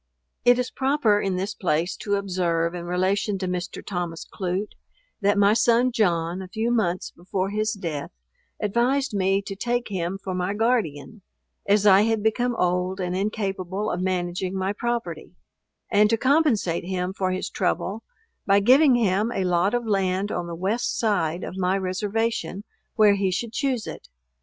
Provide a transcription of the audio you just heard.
It is proper in this place to observe, in relation to Mr. Thomas Clute, that my son John, a few months before his death, advised me to take him for my guardian, (as I had become old and incapable of managing my property,) and to compensate him for his trouble by giving him a lot of land on the west side of my reservation where he should choose it.